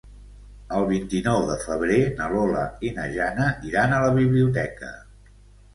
El vint-i-nou de febrer na Lola i na Jana iran a la biblioteca.